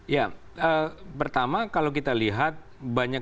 ya pertama kalau kita lihat banyak